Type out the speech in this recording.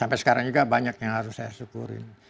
sampai sekarang juga banyak yang harus saya syukurin